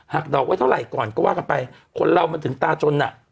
ดอกไว้เท่าไหร่ก่อนก็ว่ากันไปคนเรามันถึงตาจนอ่ะ